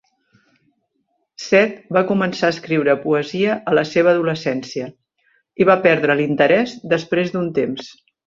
Seth va començar a escriure poesia a la seva adolescència, hi va perdre l'interès després d'un temps.